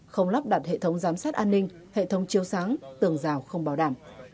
không lắp đặt hệ thống giám sát an ninh hệ thống chiêu sáng tường rào không bảo đảm